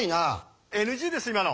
ＮＧです今の。